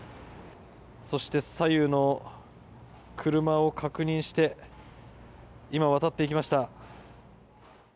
そして左右の車を確認して今、渡っていきました。